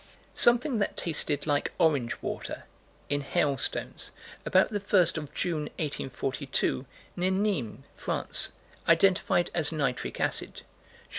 Something that tasted like orange water, in hailstones, about the first of June, 1842, near Nîmes, France; identified as nitric acid (_Jour.